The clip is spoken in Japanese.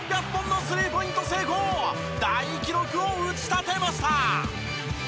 大記録を打ち立てました。